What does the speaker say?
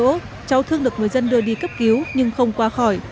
trong cháu thương được người dân đưa đi cấp cứu nhưng không qua khỏi